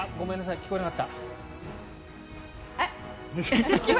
聞こえなかった。